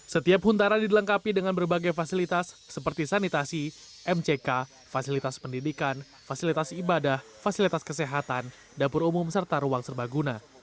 setiap huntara dilengkapi dengan berbagai fasilitas seperti sanitasi mck fasilitas pendidikan fasilitas ibadah fasilitas kesehatan dapur umum serta ruang serbaguna